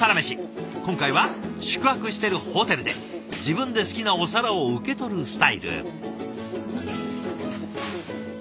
今回は宿泊してるホテルで自分で好きなお皿を受け取るスタイル。